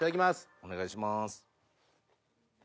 お願いします。